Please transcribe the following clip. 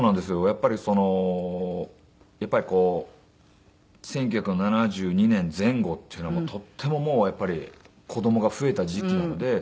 やっぱりそのやっぱりこう１９７２年前後っていうのはとってももうやっぱり子供が増えた時期なので。